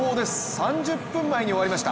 ３０分前に終わりました。